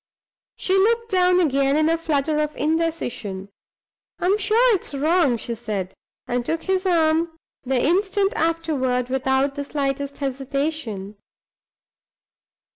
She looked down again in a flutter of indecision. "I'm sure it's wrong," she said, and took his arm the instant afterward without the slightest hesitation.